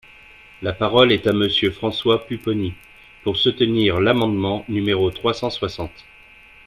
La parole est à Monsieur François Pupponi, pour soutenir l’amendement numéro trois cent soixante.